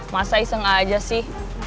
masa iseng aja sih